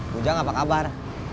bujang apa kabar